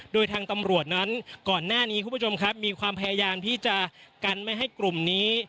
โดยทางตำรวจนั้นก่อนหน้านี้คุณผู้ชมครับมีความพยายามที่จะกันไม่ให้กลุ่มนี้